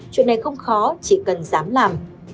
chuyện này không khó chỉ cần dám làm